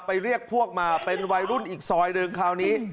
เรียกพวกมาเป็นวัยรุ่นอีกซอยหนึ่งคราวนี้